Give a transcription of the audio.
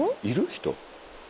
人。